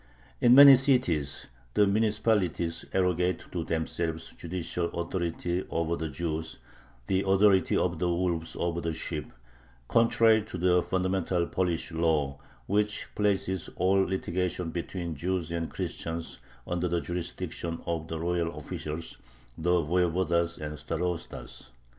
In many cities the municipalities arrogate to themselves judicial authority over the Jews the authority of the wolves over the sheep contrary to the fundamental Polish law, which places all litigation between Jews and Christians under the jurisdiction of the royal officials, the voyevodas and starostas.